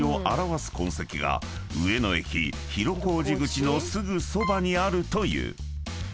［上野駅広小路口のすぐそばにあるという］